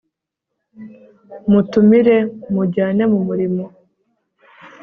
mutumire mujyane mu murimo